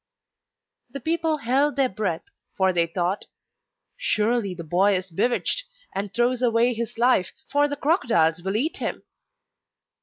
The people held their breath, for they thought: 'Surely the boy is bewitched and throws away his life, for the crocodiles will eat him!